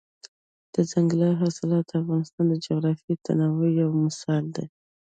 دځنګل حاصلات د افغانستان د جغرافیوي تنوع یو مثال دی.